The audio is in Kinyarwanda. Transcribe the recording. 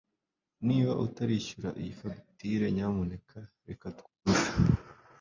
Niba utarishyura iyi fagitire nyamuneka reka twumve